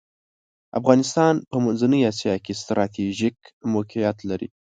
افغانستان په منځنۍ اسیا کې ستراتیژیک موقیعت لری .